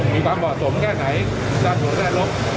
มีความเหมาะสมแค่ไหนสร้างส่วนแรกลบ